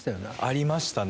ありましたね。